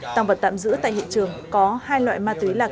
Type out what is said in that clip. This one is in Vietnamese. tàng vật tạm giữ tại hiện trường có hai loại ma túy lạc